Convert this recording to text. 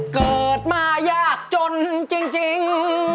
เกิดมายากจนจริง